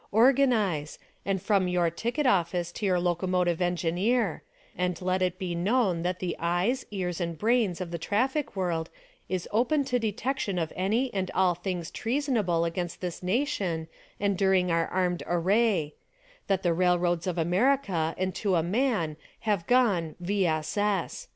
Organize, and from your ticket ofhce to your locomotive engineer ; and let it be known that the eyes, ears and brains of the traffic world is open to de tection of any and all things treasonable against this nation and during our armed array ; that the Railroads of America and to a man have gone — V. S. S.